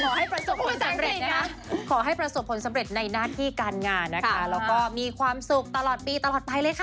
ขอให้ประสบผลสำเร็จนะคะขอให้ประสบผลสำเร็จในหน้าที่การงานนะคะแล้วก็มีความสุขตลอดปีตลอดไปเลยค่ะ